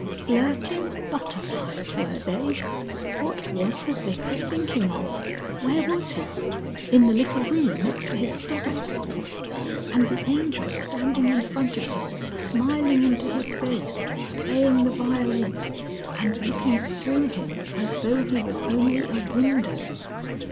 "Flirting butterflies were they!" What was the Vicar thinking of? Where was he? In the little room next to his study, of course! And the Angel standing in front of him smiling into his face, playing the violin, and looking through him as though he was only a window